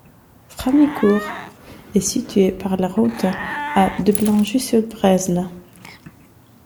Framicourt est situé, par la route, à de Blangy-sur-Bresle.